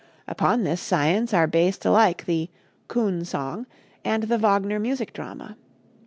Upon this science are based alike the "coon song" and the Wagner music drama.